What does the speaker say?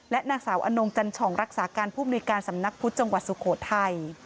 และหน้าสาวอนงจรรย์ชองรักษาการผู้บริการสำนักพุธจังหวัดสุโขทัย